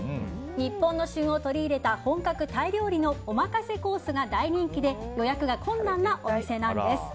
日本の旬を取り入れた本格タイ料理のおまかせコースが大人気で予約が困難なお店なんです。